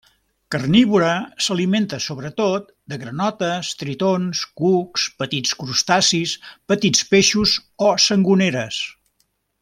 Carnívora, s'alimenta sobretot de granotes, tritons, cucs, petits crustacis, petits peixos o sangoneres.